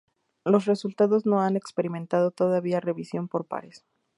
Los resultados no han experimentado todavía revisión por pares.